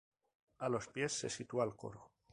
A los pies se sitúa el coro.